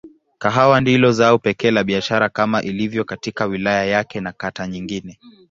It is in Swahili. Kahawa ndilo zao pekee la biashara kama ilivyo katika wilaya yake na kata nyingine.